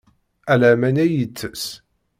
Ala aman ay yettess.